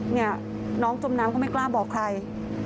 เนี่ยน้องจมน้ำก็ไม่กล้าบอกใคร